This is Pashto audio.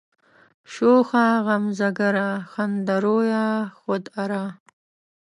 شوخه غمزه گره، خنده رویه، خود آرا